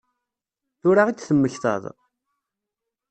Tura i d-temmektaḍ?